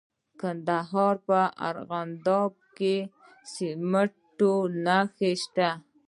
د کندهار په ارغنداب کې د سمنټو مواد شته.